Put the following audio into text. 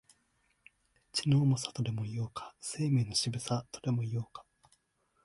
血の重さ、とでも言おうか、生命の渋さ、とでも言おうか、